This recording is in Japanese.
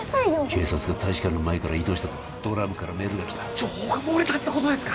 警察が大使館の前から移動したとドラムからメールがきた情報が漏れたってことですか？